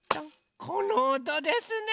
このおとですね！